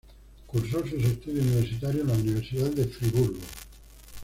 Cursó sus estudios universitarios en la Universidad de Friburgo.